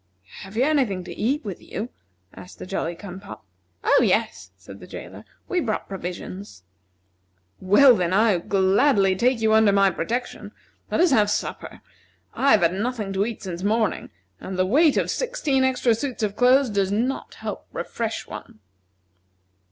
"Have you any thing to eat with you?" asked the Jolly cum pop. "Oh, yes," said the jailer, "we brought provisions." "Well, then, I gladly take you under my protection. Let us have supper. I have had nothing to eat since morning, and the weight of sixteen extra suits of clothes does not help to refresh one."